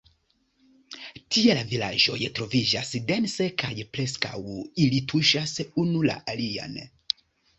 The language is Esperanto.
Tie la vilaĝoj troviĝas dense kaj preskaŭ ili tuŝas unu la alian.